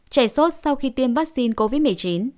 chảy sốt sau khi tiêm vaccine covid một mươi chín